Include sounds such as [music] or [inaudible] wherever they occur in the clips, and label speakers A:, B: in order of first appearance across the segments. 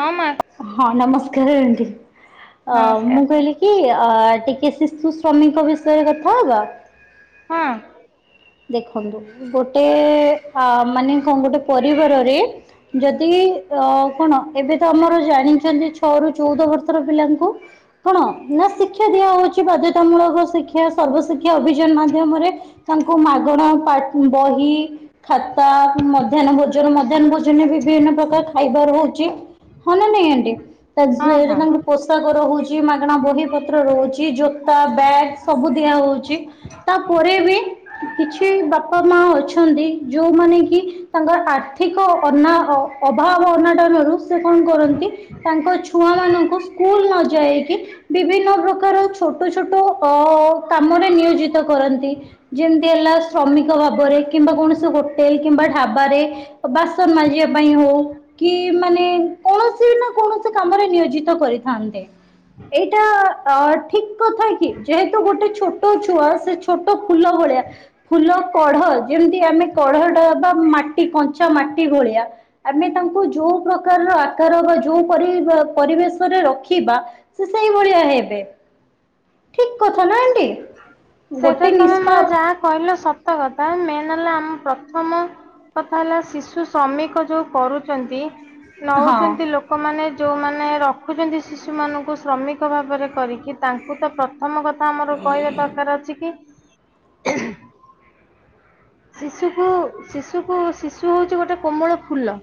A: ହଁ ମା।
B: ହଁ ନମସ୍କାର ଆଣ୍ଟି ଅ-
A: ନମସ୍କାର
B: ମୁଁ କହିଲି କି ଅ- ଟିକେ ଶିଶୁ ଶ୍ରମିକ ବିଷୟରେ କଥା ହବା।
A: ହଁ।
B: ଦେଖନ୍ତୁ ଗୋଟେ ଆ-ମାନେ କଣ୍ ପରିବାରରେ ଯଦି ଅ- କଣ ଏବେ ତ ଆମର ଜାଣିଚନ୍ତି ଛଅ ରୁ ଚଉଦ ବର୍ଷର ପିଲାଙ୍କୁ କଣ ନା ଶିକ୍ଷା ଦିଆ ହଉଚି ବାଧ୍ୟତାମୂଳକ ଶିକ୍ଷା ସର୍ବଶିଖ୍ କ୍ଷା ଅଭିଯାନ ମାଧ୍ୟମରେ ତାଙ୍କୁ ମାଗଣା ପା-ବହି, ଖାତା, ମଧ୍ୟାହ୍ନ ଭୋଜନ ମଧ୍ୟାହ୍ନ -ଭୋଜନରେ ବିଭିନ୍ନ ପ୍ରକାର ଖାଇବାର ହଉଚି ହଁ ନା ନାଇଁ ଆଣ୍ଟି
A: ହଁ ହଁ।
B: [unintelligible] ପୋଷକ ରହୁଚି, ମାଗଣା ବହି ପତ୍ର ରହୁଚି ଜୋତା, ବ୍ୟାଗ୍ ସବୁ ଦିଆ ହଉଚି। ତା ପରେ ବି କିଛି ବାପା ମା ଅଛନ୍ତି ଯଉମାନେ କି ତାଙ୍କର ଆର୍ଥି ର୍ଥିକ ଅନା-ଅ-ଅଭାବ ଅନାଟନ ରୁ ସେ କଣ୍ କରନ୍ତି ତାଙ୍କ ଛୁଆ ମାନଙ୍କୁ ସ୍କୁଲ ନ ଯାଇକି ବିଭିନ୍ନ ପ୍ରକାର ଛୋଟ ଛୋଟ ଟ ଅ-କାମରେ ନିୟୋଜିତ କରନ୍ତି। ଯେମିତି ହେଲା ଶ୍ରମିକ ଭାବରେ କିମ୍ବା କୌଣସି ହୋଟେଲ୍ କିମ୍ବା ଢାବାରେ ବାସନ୍ ମାଜିବା ପାଇଁ ହଉ କି ମାନେ କୌଣସି ନା କୌଣସି କାମରେ ନିୟୋଜିତ କରିଥାନ୍ତେ ଏଇଟା ଅ ଠିକ୍ କଥା କି ଯେହେତୁ ଗୋଟେ ଛୋଟ ଛୁଆ ସେ ଛୋଟ ଫୁଲ ଭଳିଆ ଫୁଲ କଢ ଯେମିତି ଆମେ କଢଟା ବା ମାଟି କଞ୍ଚା ମାଟି ଭଳିଆ ଆମେ ତାଙ୍କୁ ଯଉ ପ୍ରକାରର ଆକାର ବା ଯଉ ପରି -ପରିବେଶରେ ରଖିବା ସେ ସେଇଭଳିଆ ହେବେ ଠିକ୍ କଥା ନା ଆଣ୍ଟି।
A: ସେଇଟା
B: ଗୋଟେ
A: ତମେ ମା
B: ନିଷ୍ପା
A: ଯାହା କହିଲ ସତ କଥା ମେନ୍ ହେଲା ଆମ ପ୍ରଥମ କଥା ହେଲା ଶିଶୁ ଶ୍ରମିକ ଯଉ କରୁଚନ୍ତି
B: ହଁ
A: ନଉଚନ୍ତି ଲୋକ୍ ଲୋକମାନେ ଯଉମାନେ ରଖୁଚନ୍ତି ଶିଶୁମାନଙ୍କୁ ଶ୍ରମିକ ଭାବରେ କରିକି ତାଙ୍କୁ ତ ପ୍ରଥମ କଥା ଆ କହିବା ଦରକାର୍ ଅଛି କି ଶିଶୁକୁ- ଶିଶୁକୁ ଶିଶୁ ହଉଚି ଗୋଟେ କୋମଳ ଫୁଲ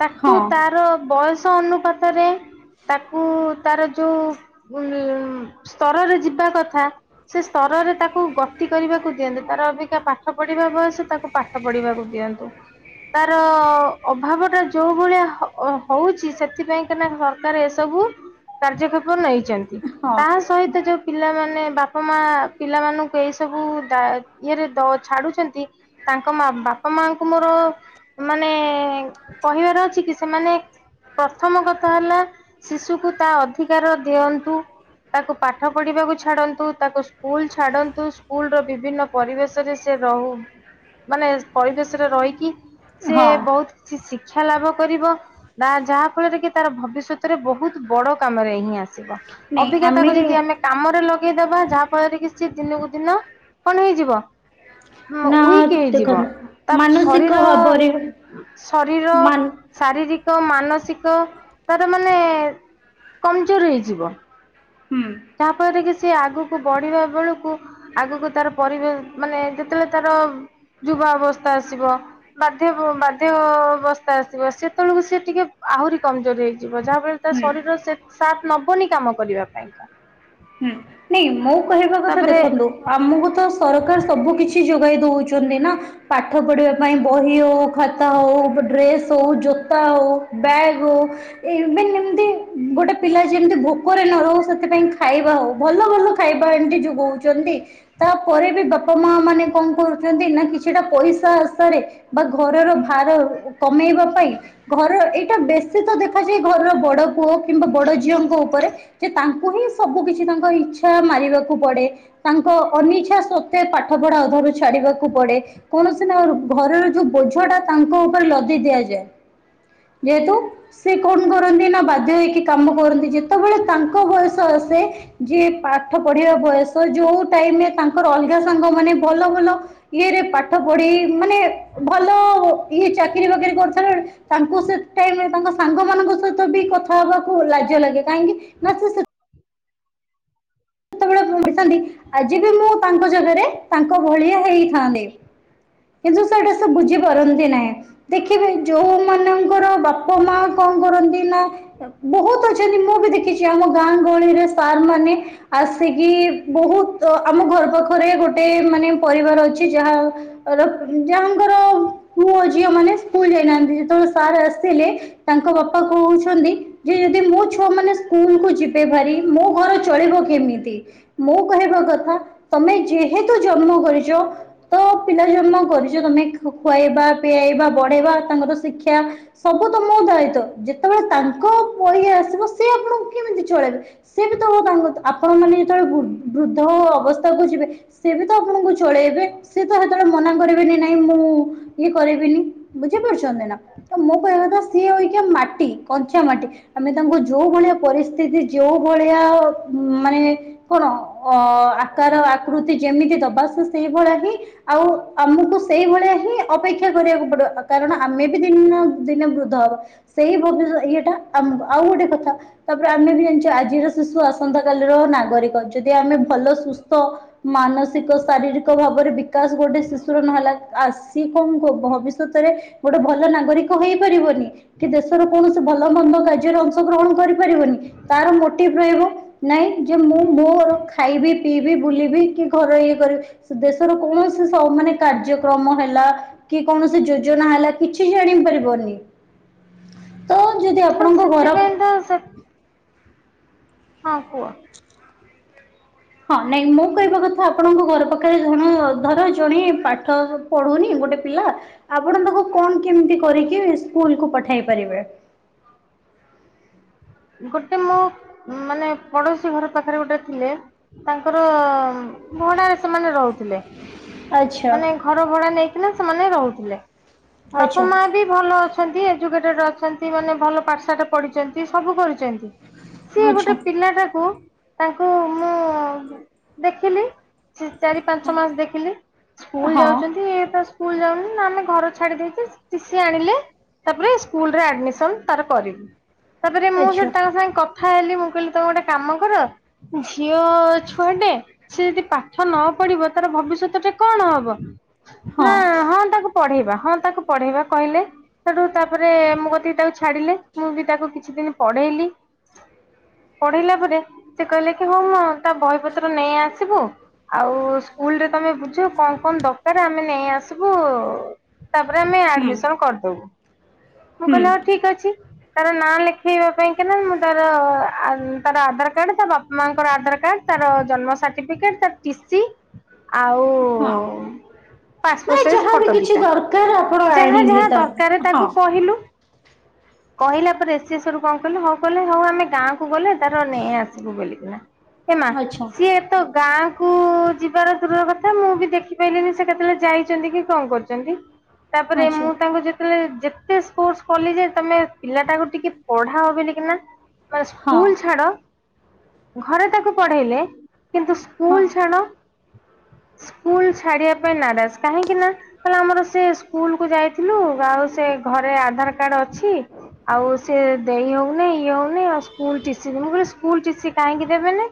A: ତାକୁ
B: ହଁ
A: ତାର ବୟସ ଅନୁପାତରେ ତାକୁ ତାର ଯଉ ଉଁ- ସ୍ତରରେ ଯିବା କଥା ସେ ସ୍ତରରେ ତାକୁ ଗତି କରିବାକୁ ଦିଅନ୍ତୁ ତାର ଅବିକା ପାଠ୍ ପାଠ ପଢିବା ବୟସ ତାକୁ ପାଠ ପଢିବାକୁ ଦିଅନ୍ତୁ। ତାର ଅଭାବ ଟା ଯୋଉ ଭଳିଆ ହ ହଉଛି ସେଥିପାଇଁ ନା ସରକାର ଏସବୁ କାର୍ଯ୍ୟକ୍ଷେପ ନେଇଛନ୍ତି।
B: ହଁ
A: ତା ସହିତ ଯୋଉ ପିଲାମାନେ ବାପା, ମା ପିଲାମାନଙ୍କୁ ଏଇସବୁ ଦା ଇଏରେ ଦା ଛାଡୁଛନ୍ତି, ତାଙ୍କ ମା ବାପା ମାଙ୍କୁ ମୋର ମାନେ କହିବାର ଅଛି କି, ସେମାନେ ପ୍ରଥମ କଥା ହେଲା ଶିଶୁକୁ ତା ଅଧିକାର ଦିଅନ୍ତୁ। ତାକୁ ପାଠ ପଢିବାକୁ ଛାଡନ୍ତୁ। ତାକୁ ସ୍କୁଲ ଛାଡନ୍ତୁ। ସ୍କୁଲ ର ବିଭିନ୍ନ ପରିବେଶରେ ସେ ସେ ରହୁ। ମାନେ ପରିବେଶ ରେ ରହିକି ସିଏ
B: ହଁ
A: ବହୁତ କିଛି ଶି ଶିକ୍ଷା ଲାଭ କରିବ। ନା ଯାହାଫଳରେ କି ତାର ଭବିଷ୍ୟତରେ ବହୁତ ବଡ କାମରେ ହିଁ ଆ ସିବ। ଅବିକା ତାକୁ ଯଦି ଆମେ କାମରେ ଲଗେଇଦବା। ଯାହାଫଳରେ କି ସେ ଦିନକୁ ଦିନ କଣ ହେଇଯିବ? ଉମୋ
B: ନା
A: ୱିକ ହେଇଯିବ
B: ଦେଖନ୍ତୁ
A: ତା
B: ମାନସିକ
A: ଶରୀର
B: ଭାବରେ
A: ଶରୀର
B: ମାନ
A: ଶାରୀରିକ ମାନସିକ ତାର ମାନେ କମଜୋର ହେଇଯିବ।
B: ହୁଁ।
A: ଯାହାଫଳରେ କି ସିଏ ଆଗକୁ ବଢିବା ବେଳକୁ ଆଗକୁ ତାର ପରିବେଶ ମାନେ ଯେତେବେଳେ ତାର ଯୁବା ଅବସ୍ଥା ଆସିବ ବାଧ୍ୟ ବାଧ୍ୟଅବସ୍ଥା ଆସିବ, ସେତେବେଳକୁ ସିଏ ଟିକେ ଆହୁରି କମଜୋର ହେଇଯିବ। ଯାହା ଫଳ ତା
B: ହୁଁ
A: ଶରୀର ସେତ ସାଥ ନବନି କାମ କରିବା ପାଇଁ।
B: ହୁଁ। ନାଇଁ ମୋ କହିବା କଥା
A: ତାପରେ
B: ଦେଖନ୍ତୁ ଆମକୁ ତ ସରକାର ସବୁ କିଛି ଯୋଗାଇ ଦଉଛନ୍ତି ନା ପାଠ ପଢିବା ପାଇଁ ବହି ହଉ, ଖାତା ହଉ, ଡ୍ରେସ୍ ହଉ, ଜୋତା ହଉ, ବ୍ୟାଗ୍ ହଉ, ଏଇ ଏବେ ଯେମତି ଗୋଟେ ପିଲା ଯେମତି ଭୋକରେ ନ ରହୁ ସେଥିପାଇଁ ଖାଇବା ହଉ ଭଲ ଭଲ ଖାଇବା ଏମତି ଯୋଗଉଛନ୍ତି। ତାପରେ ବି ବାପା ମା ମାନେ କଣ କରୁଚନ୍ତି ନା କିଛି କିଛିଟା ପଇସା ଆଶାରେ ବା ଘରର ଭାର କମେଇବା ପାଇଁ ଘର ଏଇଟା ବେଶୀ ତ ଦେଖା ଯେ ଘରର ବଡ ପୁଅ କିମ୍ବା ବଡ ଝିଅଙ୍କ ଉପରେ ଯେ ତାଙ୍କୁ ହିଁ ସବୁ କିଛି ତାଙ୍କ ଇଚ୍ଛା ମାରିବାକୁ ପଡେ। ତାଙ୍କ ଅନିଚ୍ଛା ସତ୍ତ୍ୱେ ପାଠ ପଢା ଅଧାରୁ ଛାଡିବାକୁ ପଡେ। କୌଣସି ନା ଘରର ଯୋଉ ବୋଝ ଟା ତାଙ୍କ ଉପରେ ଲଦି ଦିଆଯାଏ। ଯେହେତୁ ସେ କଣ କରନ୍ତି ନା ବାଧ୍ୟ ହେଇକି କାମ କରନ୍ତି। ଯେତେବେଳେ ତାଙ୍କ ବୟସ ଆସେ ଯିଏ ପାଠ ପଢିବା ବୟସ ଯୋଉ ଟାଇମରେ ତାଙ୍କର ଅଲଗା ସାଙ୍ଗ ମାନେ ଭଲ ଭଲ ଇଏରେ ପାଠ ପଢି, ମାନେ ଭଲ ଇଏ ଚାକିରି ବାକିରି କରିଥାଏ, ତାଙ୍କୁ ସେ ଟାଇମରେ ତାଙ୍କ ସାଙ୍ଗ ମାନଙ୍କ ସହିତ ବି କଥା ହବାକୁ ଲାଜ ଲାଗେ। କାହିଁକି? ନା ସେ ସେତେବେଳେ ଭାବିଥାନ୍ତି, ଆଜି ବି ମୁଁ ତାଙ୍କ ଜାଗାରେ ତାଙ୍କ ଭଳିଆ ହେଇଥାନ୍ତି। କିନ୍ତୁ ସେଇଟା ସେ ବୁଝି ପାରନ୍ତି ନାହିଁ। ଦେଖିବେ ଯୋଉ ମାନଙ୍କର ବାପା ମା କଣ କରନ୍ତି ନା ବହୁତ ଅଛନ୍ତି। ମୁଁ ବି ଦେଖିଛି। ଆମ ଗାଁ ଗହଳିରେ ସାର୍ ମାନେ ଆସିକି ବହୁତ ଆମ ଘର ପାଖରେ ଗୋଟେ ମାନେ ପରିବାର ଅଛି। ଯାହା ର ଯାହାଙ୍କର ପୁଅ ଝିଅ ମାନେ ସ୍କୁଲ ଯାଇନାହାନ୍ତି। ଯେତେବେଳେ ସାର ଆସିଲେ ତାଙ୍କ ବାପା କହୁଚ ଛନ୍ତି ଯେ ଯଦି ମୋ ଛୁଆ ମାନେ ସ୍କୁଲ କୁ ଯିବେ ଭାରି, ମୋ ଘର ଚଳିବ କେମିତି? ମୁଁ କହିବା କଥା ତମେ ଯେହେତୁ ଜନ୍ମ କରିଚ ତ ପିଲା ଜନ୍ମ କରିଚ ତମେ ଖୁଆଇବା, ପିଆଇବା, ବଢେଇବା, ତାଙ୍କର ଶିକ୍ଷା ସବୁ ତ ମୋ ଦାୟିତ୍ୱ ଯେତେବେଳେ ତାଙ୍କ ବଇଆ ଆସିବ ସିଏ ଆପଣଙ୍କୁ କେମିତି ଚଳେଇବେ? ସେବି ତ ହ ତାଙ୍କୁ ଆପଣ ମାନେ ଯେତେବେଳେ ବୁ ବୃଦ୍ଧ ଅବସ୍ଥାକୁ ଯିବେ ସେ ବି ତ ଆପଣଙ୍କୁ ଚଳେଇବେ। ସେ ତ ସେତେବେଳେ ମନା କରିବେନି ନାଇଁ ମୁଁ ଇଏ କରିବିନି ବୁଝିପାରୁଛନ୍ତି ନା। ତ ମୋ କହିବା କଥା ସିଏ ଅଇକା ମାଟି କଞ୍ଚା ମାଟି ଆମେ ତାଙ୍କୁ ଯୋଉ ଭଳିଆ ପରିସ୍ଥିତି ଯୋଉ ଭଳିଆ ମାନେ କଣ ଅ ଆକାର ଆକୃତି ଯେମିତି ଦବା ସେ ସେଇଭଳିଆ ହିଁ ଆଉ ଆମକୁ ସେଇଭଳିଆ ହିଁ ଅପେକ୍ଷା କରିବାକୁ ପଡିବ। କାରଣ ଆମେ ବି ଦିନେ ନା ଦିନେ ବୃଦ୍ଧ ହବା। ସେଇ ଭବିଷ୍ୟ ଇଏଟା ଆମବା ଆଉ ଗୋଟେ କଥା ତାପରେ ଆମେ ବି ଜାଣିଛୁ ଆଜିର ଶିଶୁ ଆସ ସନ୍ତା କାଲିର ନାଗରିକ ଯଦି ଆମେ ଭଲ ସୁସ୍ଥ ମାନସ ସିକ ଶାରୀରିକ ଭାବରେ ବିକାଶ ଗୋଟେ ଶିଶୁର ନହେଲା ଆ ସେ କଣ ଭବିଷ୍ୟତରେ ଗୋଟେ ଭଲ ନାଗରିକ ହେଇପାରିବନି କି ଦେଶର କୌଣସି ଭଲ ମନ୍ଦ କାର୍ଯ୍ୟରେ ଅଂଶଗ୍ରହଣ କର ପାରିବନି ତାର ମୋଟିଭ ରହିବ ନାଇଁ ଯେ ମୁଁ ମୋ ଖାଇବି ପିଇବି ବୁଲିବି କି ଘର ଇଏ କରିବି ଦେ ଶର କୌଣସି ସବୁ ମାନେ କାର୍ଯ୍ୟକ୍ରମ ହେଲା କି କୌଣସି ଯୋଜନା ହେଲା କିଛି ଜାଣି ପାରିବନି। ତ ଯଦି ଆପଣଙ୍କ ଘର
A: ସେଥିପାଇଁ ତ ସେ ହଁ କୁଅ।
B: ହଁ ନାଇଁ ମୁଁ କହିବା କଥା ଆପଣଙ୍କ ଘର ପାଖରେ ଧଣ ଧର ଜଣେ ପାଠ ପଢୁନି ଗୋଟେ ପିଲା ଆପଣ ତାକୁ କଣ କେମିତି କରିକି ସ୍କୁଲକୁୁ ପଠେଇ ପାରିବେ।
A: ଗୋଟେ ମୋ ମାନେ ପଡୋଶୀ ଘର ପାଖରେ ଗୋଟେ ଥିଲେ। ତାଙ୍କର ଭଡାରେ ସେମାନେ ରହୁଥିଲେ
B: ଆଚ୍ଛା
A: ମାନେ ଘର ଭଡା ନେଇଥିଲେ ସେମାନେ ରହୁଥିଲେ ବାପା
B: ଆଚ୍ଛା
A: ମା ବି ଭଲ ଅଛନ୍ତି ଏଜୁକେଟେଡ ଅଛନ୍ତି ମାନେ ଭଲ ପାଠଶାଟା ପଢିଛନ୍ତି ସବୁ କରିୁଛନ୍ତି ସିଏ
B: ଆଚ୍ଛା
A: ଗୋଟେ ପିଲାଟାକୁ ତାଙ୍କୁ ମୁଁ ଦେଖିଲି ସେ ଚାରି ପାଞ୍ଚ ମାସ ଦେଖିଲି ସ୍କୁଲ
B: ହଁ
A: ଯାଉଛନ୍ତି ଏ ତ ସ୍କୁଲ ଯାଉନି ନା ଆମେ ଘର ଛାଡି ଦେଇଚୁ ଟିସି ଆଣିଲେ ତାପରେ ସ୍କୁଲ ରେ ଆଡମିସନ ତାର କରିବୁ। ତାପରେ ମୁଁ
B: ଆଚ୍ଛା
A: ସେଠି ତାଙ୍କ ସାଙ୍ଗେ କଥା ହେଲି ମୁଁ କହିଲି ତମେ ଗୋଟେ କାମ କର ଝିଅ ଛୁଆଟେ ସେ ଯଦି ପାଠ ନ ପଢିବ ତାର ଭବିଷ୍ୟତ ଟେ କଣ ହବ
B: ହଁ।
A: ନା ହଁ ତାକୁ ପଢେଇବା ହଁ ତାକୁ ପଢେଇବା କହିଲେ ସେଠୁ ତାପରେ ମୁଁ କତିକି ତାକୁ ଛାଡିଲେ ମୁଁ ବି ତାକୁ କିଛି ଦିନ ପଢେଇଲି। ପଢିଲା ପରେ ସେ କହିଲେ କି ହଉ ମୁଁ ତା ବହି ପତ୍ର ନେଇ ଆସିବୁ। ଆଉ ସ୍କୁଲ ରେ ତମେ ବୁଝ କଣ କଣ ଦରକାର ଆମେ ନେଇ ଆସିବୁ। ତାପରେ ଆମେ
B: ହୁଁ
A: ଆଡମିସନ କରିଦବୁ ମୁଁ
B: ହୁଁ
A: କହିଲି ହଉ ଠିକ ଅଛି ତାର ନାଁ ଲେ ଖିବା ପାଇଁ କି ନା ମୁଁ ତାର ଉଁ ତାର ଆଧାର କାର୍ଡ ତା ବାପା ମାଙ୍କର ଆଧାର କାର୍ଡ ତାର ଜନ୍ମ ସାର୍ଟିଫିକେଟ ତାର ଟିସି ଆଉ
B: ହଁ
A: ପାସପୋର୍ଟ
B: ମାନେ
A: ସାଇଜ
B: ଯାହାବି
A: ଫଟୋ ଦି
B: କିଛି
A: ଟା
B: ଦରକାର ଆପଣ
A: ଯାହା
B: ଆଣିଲେ
A: ଯାହା
B: ତ
A: ଦରକାର
B: ହଁ
A: ତାକୁ କହିଲୁ।
B: [unintelligible]
A: କହିଲା ପରେ ସିଏ ସେଠୁ କଣ କଲେ ହଁ କଲେ ହଉ ଆମେ ଗାଁ କୁ ଗଲେ ତାର ନେଁଇଁ ଆସିବୁ ବଲିକିନା ଏ ମା
B: ଆଚ୍ଛା
A: ସିଏ ଏ ତ ଗାଁ କୁ ଯିବାର ଦୂରର କଥା ମୁଁ ବି ଦେଖିପାରଲିିନି ସେ କେତେବେଳେ ଯାଇଛନ୍ତି କି କଣ କରିଛନ୍ତି
B: [inaudible]
A: ତାପରେ ମୁଁ ତାଙ୍କୁ ଯେତେବେଳେ ଯେତେ ଫୋର୍ଷ କଲି ଯେ ତମେ ପିଲା ଟାକୁ ଟିକେ ପଢାଅ ବୋଲି କି ନା ମାନେ
B: ହଁ
A: ସ୍କୁଲ ଛାଡ। ଘରେ ତାକୁ ପଢେଇଲେ କିନ୍ତୁ
B: ହଁ
A: ସ୍କୁଲ ଛାଡ।
B: [inaudible]
A: ସ୍କୁଲୁ ଛାଡିବା ପାଇଁ ନାରାଜ କାହିଁକି ନା କହିଲେ ଆମର ସେ ସ୍କୁଲୁ କୁ ଯାଇଥିଲୁ। ଆଉ ସେ ଘରେ ଆଧାର କାର୍ଡ ଅଛି ଆଉ। ସେ ଦେଇ ହଉନି ଇଏ ହଉନି ଆଉ ସ୍କୁଲୁ ଟିସି ମୁଁ କହିଲି ସ୍କୁଲ ଟିସି କାହିକି ଦେବେନେହିଁ।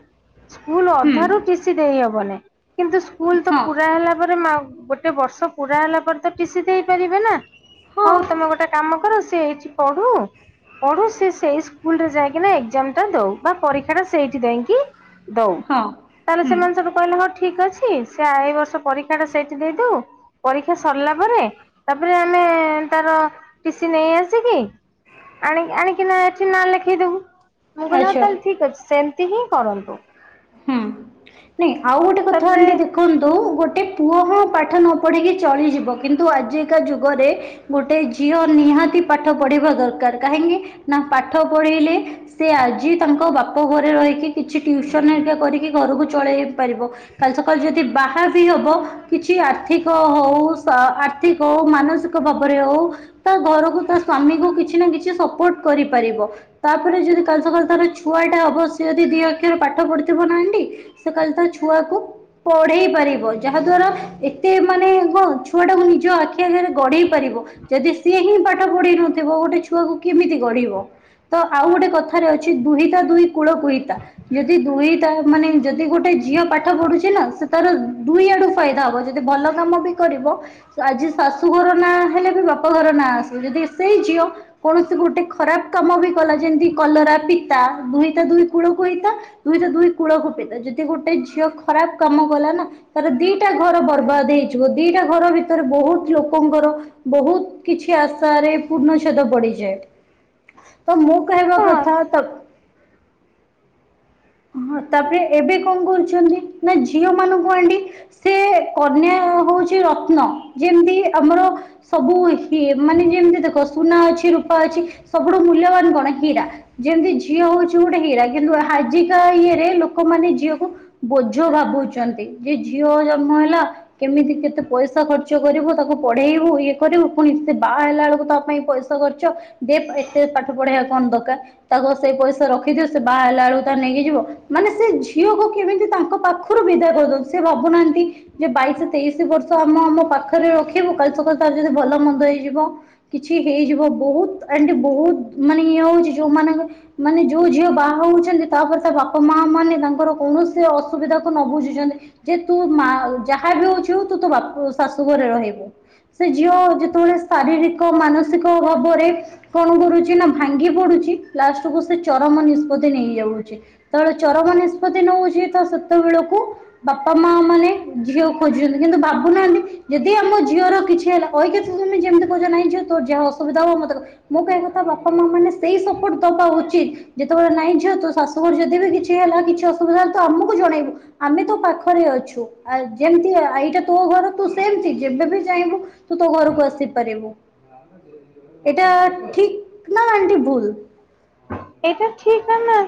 A: ସ୍କୁଲୁ
B: ହୁଁ
A: ଅଧାରୁ ଟିସି ଦେଇହବନି କିନ୍ତୁ ସ୍କୁଲ ତ
B: ହଁ
A: ପୁରା ହେଲା ପରେ ମା ଗୋ ଗୋଟେ ବର୍ଷ ପୁରା ହେଲା ପରେ ତ ଟିସିି ଦେଇପାରିବେ ନା।
B: ହଁ
A: ହଉ ତମେ ଗୋଟେ କାମ କର ସିଏ ଏଇଠି ପଢୁ। ପଢୁ ସିଏ ସେଇ ସ୍କୁଲୁରେ ଯାଇକିନା ଏକେଜାମ ଟା ଦଉ ବା ପରୀକ୍ଷା ଟା ସେଇଠି ଦେଇକି ଦଉ
B: ହଁ
A: ତାହେଲେ
B: ହୁଁ
A: ସେମାନେ ସବୁ। କହିଲେ ହଉ ଠିକ୍ ଅଛି ସେ ଏଇ ବର୍ଷ ପରୀକ୍ଷା ଟା ସେଇଠି ଦେଇଦଉ। ପରୀକ୍ଷା ସରିଲା ପରେ ତାପରେ ଆମେ ତାର ଟିସି ନେଇ ଆସିକି ଆଣିକି ଆଣିକିନା ଏଠି ନାଁ ଲେଖେଇଦବୁ ମୁ କହିଲି ହଉ
B: ଆଚ୍ଛା।
A: ତାହେଲେ ଠିକ୍ ଅଛି ସେମିତି ହିଁ କରନ୍ତୁ।
B: ହୁଁ ନାଇଁ ଆଉ ଗୋଟେ କଥା
A: ତାପରେ
B: ଟିକେ ଦେଖନ୍ତୁ। ତୋଉ ଗୋଟେ ପୁଅ ହୋଉ ପାଠ ନ ପଢିକି ଚଳିଯିବ କିନ୍ତୁ ଆଜିକା ଯୁଗରେ ଗୋଟେ ଝି ଝିଅ ନିହାତି ପାଠ ପଢିବା ଦରକାର କାହିଁକି ନା ପାଠ ପଢେଇଲେ ସେ ଆଜି ତାଙ୍କ ବାପ ଘରେ ରହିକି କିଛି ଟିଉସୁ ତମେ ଏକା କରିକି ଘରକୁ ଚଳେଇ ପାରିବ କାଲି ସକାଳୁ ଯଦି ବାହା ବି ହବ କିଛି ଆର୍ଥିକ ହୋଉ ସ ଆର୍ଥିକ ହୋଉ ମାନସିକ ଭାବରେ ହୋଉ ତା ଘରକୁ ତା ସ୍ଵାମୀ କୁ କିଛି ନା କିଛି ସପୋର୍ଟ କରିପାରିବ। ତାପରେ ଯଦି କାଲିସକାଳୁ ତାର ଛୁଆ ଟେ ହବ ସିଏ ଯଦି ଦି ଅକ୍ଷର ପାଠ ପଢିଥିବ ନାଏମିନ୍ତି ସେ କାଲି ତା ଛୁଆକୁ ପଢେଇ ପାରିବ ଯାହା ଦ୍ଵାରା ଏତେ ମାନେ କଣ ଛୁଆଟାକୁ ନିଜ ଆଖି ଆଖରେ ଗଢେଇ ପାରିବ। ଯଦି ସିଏ ହିଁ ପାଠ ପଢି ନଥିବ ଗୋଟେ ଛୁଆକୁ କେମିତି ଗଢିବ। ତ ଆଉ ଗୋଟେ କଥାରେ ଅଛି ଦୁହିତା ଦୁଇ କୂଳ କୁ ହିତା, ଯଦି ଦୁହି କତା ମାନେ ଯଦି ଗୋଟେ ଝିଅ ପାଠ ପଢୁଛି ନା ତାର ଦୁଇ ଆଡ଼ୁ ଫାଇଦା ହବ ଯଦି ଭଲ କାମ ବି କରିବ ଆଜି ଶାଶୁ ଘର ନାଁ ହେଲେ ବି ବାପ ଘର ନାଁ ଆସିବ ଯଦି ସେଇ ଝିଅ କୌଣସି ଗୋଟେ ଖରାପ କାମ ବି କଲା ଯେମିତି କଲରା ପିତା ଦୁହି ତା ଦୁଇ କୂଳକୁ ହିତା। ଦୁହି ତା ଦୁଇ କୂଳକୁ ପିତା ଯଦି ଗୋଟେ ଝିଅ ଖରାପ କାମ କଲା ନା ତାର ଦିଟା ଘର ବର୍ବାଦ ହେଇଯିବ ଦିଟା ଘର ଭିତରେ ବହୁତ୍ ଲୋକଙ୍କର ବହୁତ କିଛି ଆଶାରେ ପୂର୍ଣ୍ଣଛେଦ ପଡିଯାଏ। ତ ମୁଁ କହିବା
A: ହଁ
B: କଥା ତ ହଁ ତାପରେ ଏବେ କଣ କରୁଚନ୍ତି ନା ଝିଅ ମାନଙ୍କୁ ଆଣ୍ଡି ସେ କନ୍ୟା ହଉଚି ରତ୍ନ, ଯେମିତି ଆମର ସବୁ ଏମାନେ ଯେମିତି ଦେଖ ସୁନା ଅଛି ରୂପା ଅଛି ସବୁଠୁ ମୂଲ୍ୟବାନ କଣ ହୀରା। ଯେମିତି ଝିଅ ହୋଉଛି ଗୋଟେ ହୀରା କିନ୍ତୁ ଆଜିକା ଇଏରେ ଲୋକମାନେ ଝିଅକୁ ବୋଝ ଭାବୁଛନ୍ତି। ଯେ ଝିଅ ଜନ୍ମ ହେଲା କେମିତି କେତେ ପଇସା ଖର୍ଚ୍ଚ କରିବୁ ତାକୁ ପଢେଇବୁ ଇଏ କରିବୁ ପୁଣି ସିଏ ବାହା ହେଲା ବେଳକୁ ତା ପାଇଁ ପଇସା ଖର୍ଚ୍ଚ କରୁଚ ଦେ ଏତେ ପାଠ ପଢେଇବା କଣ ଦରକାର ତାକୁ ସେଇ ପଇସା ରଖିଦିଅ ସେ ବାହା ହେଲା ବେଳକୁ ହେଇଯିବ ମାନେ ସେ ଝିଅକୁ କେମିତି ତାଙ୍କ ପାଖରୁ ବିଦା କରଚନ୍ତିୁ ସେ ଭାବୁନାହାନ୍ତି ଯେ ବାଇଶି ତେଇଶି ବର୍ଷ ଆମ ଆମ ପାଖରେ ରଖିବୁ କାଲି ସକାଳୁ ତାର ଯଦି ଭଲ ମନ୍ଦ ହେଇଯିବ। କିଛି ହେଇଯିବ ବହୁତ୍ ଆଣ୍ଡ ବହୁତ୍ ମାନେ ଇଏ ହୋଉଚି ଯୋଉମାନଙ୍କ ମାନେ ଯୋଉ ଝିଅ ବାହା ହଉଛନ୍ତି ତାପରେ ତା ବାପା ମା ମାନେ ତାଙ୍କର କୌଣସି ଅସୁବିଧା କୁ ନ ବୁଝିଛନ୍ତି। ଯେ ତୁ ମା ଯାହା ବି ହଉଛୁ ତୁ ତୋ ବାପ ଶାଶୁ ଘରେ ରହିବୁ। ସେ ଝିଅ ଯେତେବେଳେ ଶାରୀରିକ ମାନସିକ ଭାବରେ। କଣ କରୁଛି ନା ଭାଙ୍ଗି ପଡୁଚି ଲାଷ୍ଟ କୁ ସେ ଚରମ ନିଷ୍ପତ୍ତି ନେଇଯାଉ ତେବେଳେ ଚରମ ନିଷ୍ପତ୍ତି ନଉଛି ତ ସେତେବେଳକୁ। ବାପା ମା ମାନେ ଝିଅକୁ ଖୋଜୁଛନ୍ତି କିନ୍ତୁ ଭାବୁନାହାନ୍ତି ଯଦି ଆମ ଝିଅର କିଛି ହେଲା। ଅଇକା [unintelligible] ଯେମିତି କହୁଛ ନାହିଁ ଝିଅ ତ ଯାହା ଅସୁବିଧା ହବ ମତେ ମୁଁ କହିବା କଥା ବାପା ମା ମାନେ ସେଇ ସପୋର୍ଟ ଦବା ଉଚିତ ଯେତେବେଳେ ନାଇଁ ଝିଅ ତୁ ଶା ର ଯଦି ବି କିଛି ହେଲା କିଛି ଅସୁବିଧା ହେଲେ ତ ଆମକୁ ଜଣେଇବୁ। ଆମେ ତୋ ପାଖରେ ଅଛୁ ଆ ଯେମିତି ଏଇଟା ତୋ ଘର ତୁ ସେମତି ଯେବେ ବି ଚାହିଁବୁ। ତୁ ତୋ ଘରକୁ ଆସିପାରିବୁ ଏଇଟା ଠିକ ନା ଆଣ୍ଟି ଭୁଲ।
A: ଏଇଟା ଠିକ ନା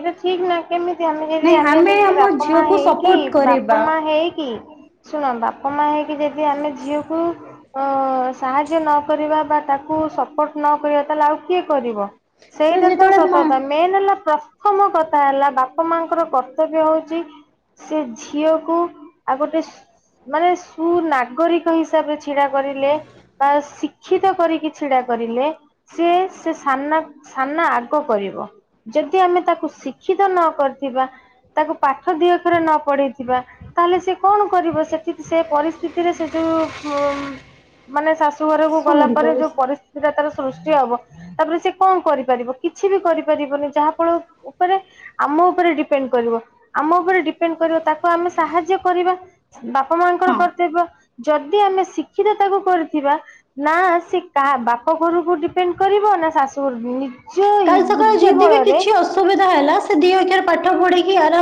A: ଏଇଟା ଠିକ ନା କେମିତି ଆମେ ଯଦି
B: ନାଇଁ
A: ଆମେ
B: ଆମ
A: [unintelligible] ବାପା ମା
B: ଝିଅକୁ
A: ହେଇକ କି
B: ସପୋର୍ଟ
A: ବାପା
B: କରିବା
A: ମା ହେଇକି ଶୁଣ ବାପା ମା ହେଇକି ଯଦି ଆମେ ଝିଅକୁ। ଅ ସାହାଯ୍ୟ ନକରିବା ବା ତାକୁ ସପୋର୍ଟ ନ କରିବା ତାହେଲେ ଆଉ କିଏ କରିବ।
B: ସେ
A: ସେଇଟା ତ
B: ଯେତେବେଳେ
A: ସତ
B: ମା
A: କଥା ମେନ୍ ହେଲା ପ ପ୍ରଥମ କଥା ହେଲା ବାପା ମାଆଙ୍କର କର୍ତ୍ତବ୍ୟ ହଉଚି। ସେ ଝିଅକୁ ଆଉ ଗୋଟେ ମାନେ ସୁ ନାଗରିକ ହିସାବରେ ଛିଡା କରିଲେ। ବା ଶିକ୍ଷିତ କରିକି ଛିଡା କରିଲେ। ସିଏ ସେ ସାମ୍ନା ସାମ୍ନା ଆଗ କରିବ। ଯଦି ଆମେ ତାକୁ ଶିକ୍ଷିତ ନ କରିଥିବା ତାକୁ ପାଠ ଦିଅଖରେ ନ ପଢେଇଥିବା। ତାହେଲେ ସେ କଣ କରିବ ସେଠି ସେ ପରିସ୍ଥିତିରେ ସେ ଯୋଉ ଉଂ ମାନେ ଶା ଘରକୁ ଗଲା
B: ଶୁଣନ୍ତୁ
A: ପରେ ଯୋଉ ପରିସ୍ଥିତିଟା ତାର ସୃଷ୍ଟି ହବ। ତାପରେ ସେ କଣ କରିପାରିବ କିଛି ବି କରିପାରିବନି ଯାହା ଫଳ ଉପରେ ଆମ ଉପରେ ଡିପେଣ୍ଡ କରିବ ଆମ ଉପରେ ଡି ପେଣ୍ଡ କରିବ ତାକୁ ଆମେ ସାହାଯ୍ୟ କରିବା ବାପା ମାଙ୍କର
B: ହଁ
A: କର୍ତ୍ତବ୍ୟ। ଯଦି ଆମେ ଶିକ୍ଷିତ ତାକୁ କରିଥିବା। ନା ସେ କା ବାପ ଘରକୁ ଡିପେଣ୍ଡ କରିବ ନା ଶାଶୁ [unintelligible] ନି ଝିଅ ଏଇ
B: କାଲି ସକାଳେ
A: ବୁଦ୍ଧି
B: ଯଦି ବି
A: ବଳରେ।
B: କିଛି ଅସୁବିଧା ହେଲା ସେ ଦି ଅକ୍ଷର ପାଠ ପଢିକି ଆରା